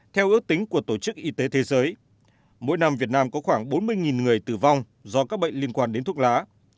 theo ước tính của tổ chức y tế thế giới mỗi năm việt nam có khoảng bốn mươi người tử vong do các bệnh liên quan đến thuốc lá